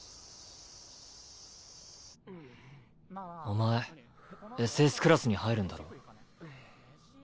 お前ＳＳクラスに入るんだろ？